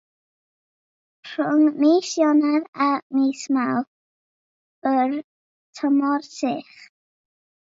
Rhwng mis Ionawr a mis Mawrth yw'r tymor sych.